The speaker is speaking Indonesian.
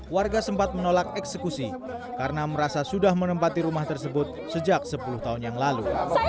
warga sempat menolak eksekusi karena merasa sudah menempati rumah tersebut sejak sepuluh tahun yang lalu